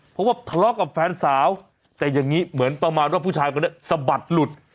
เพราะว่าทะเลาะกับแฟนสาวแต่อย่างนี้เหมือนประมาณว่าผู้ชายคนนี้สะบัดหลุด